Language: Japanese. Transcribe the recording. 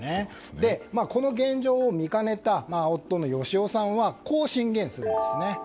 で、この現状を見かねた夫・芳男さんはこう進言するんです。